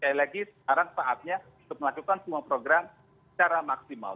dan lagi lagi sekarang saatnya untuk melakukan semua program secara maksimal